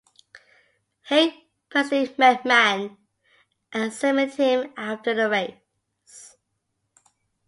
Haig personally met Mann and examined him after the race.